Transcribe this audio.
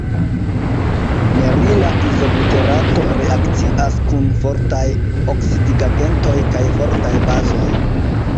Nerila izobuterato reakcias kun fortaj oksidigagentoj kaj fortaj bazoj.